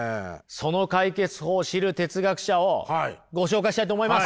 その解決法を知る哲学者をご紹介したいと思います！